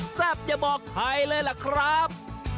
อย่าบอกใครเลยล่ะครับ